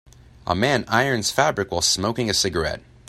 A man irons fabric while smoking a cigarette.